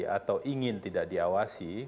atau ingin tidak diawasi